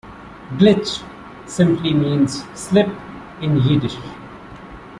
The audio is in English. "Glitch" simply means 'slip' in Yiddish.